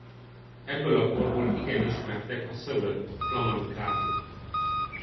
Ebből a korból igen ismertek a szövött flamand kárpitok.